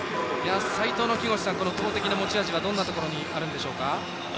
木越さん斉藤の投てきの持ち味はどんなところにあるんでしょうか。